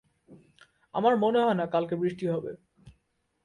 আমার মনে হয় না কালকে বৃষ্টি হবে।